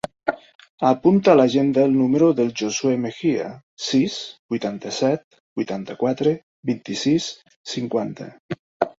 Apunta a l'agenda el número del Josuè Mejia: sis, vuitanta-set, vuitanta-quatre, vint-i-sis, cinquanta.